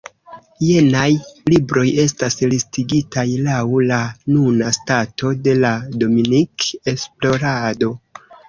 Jenaj libroj estas listigitaj lau la nuna stato de la Dominik-esplorado.